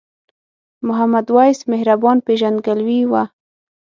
محمد وېس مهربان پیژندګلوي وه.